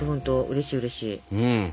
うれしいうれしい。